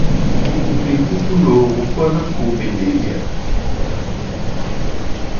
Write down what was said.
Mu de kuku loo, wo kpona go le eme a?